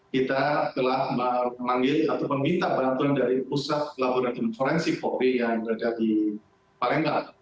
kita telah memanggil atau meminta bantuan dari pusat pelaburan konferensi pob yang ada di palembang